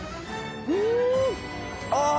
うーん！ああ！